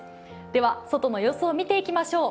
では外の様子を見ていきましょう。